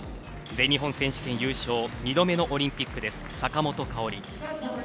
全日本選手権優勝２度目のオリンピック、坂本花織。